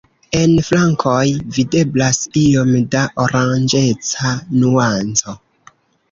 En flankoj videblas iom da oranĝeca nuanco.